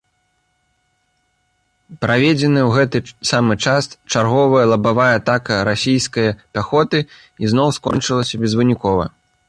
Праведзеная ў гэты самы час чарговая лабавая атака расійскае пяхоты ізноў скончылася безвынікова.